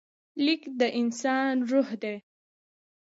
لیک د انسان روح دی.